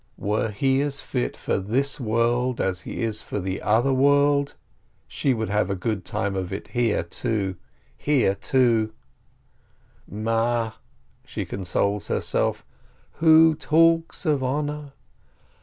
Were he as fit for this world as he is for the other world, she would have a good time of it here, too — here, too — "Ma!" she consoles herself, "who talks of honor?